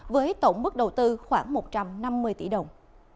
với tổng mức đầu tư khoảng một trăm năm mươi tỷ đồng